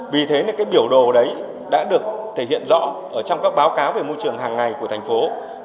vì thế thì cái biểu đồ đấy đã được thể hiện rõ trong các báo cáo về môi trường hàng ngày của tp hcm